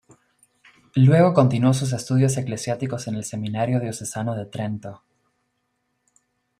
Luego continuó sus estudios eclesiásticos en el Seminario Diocesano de Trento.